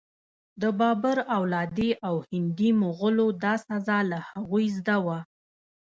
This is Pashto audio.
د بابر اولادې او هندي مغولو دا سزا له هغوی زده وه.